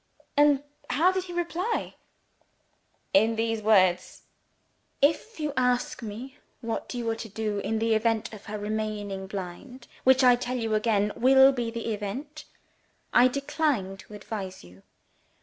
"And how did he reply?" "In these words: 'If you ask me what you are to do, in the event of her remaining blind (which I tell you again will be the event), I decline to advise you.